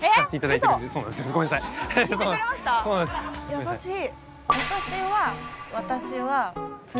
優しい。